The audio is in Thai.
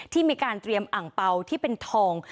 ที่มีการเตรียมอังเปล่าที่เป็นทอง